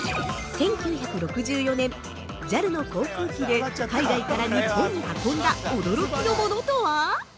◆１９６４年、ＪＡＬの航空機で海外から日本に運んだ驚きのものとは？